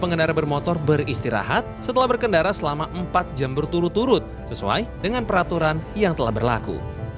pengendara bermotor beristirahat setelah berkendara selama empat jam berturut turut sesuai dengan peraturan yang telah berlaku